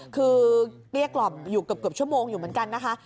คือเกลี้ยกล่อมอยู่เกือบชั่วโมงอยู่เหมือนกันนะคะ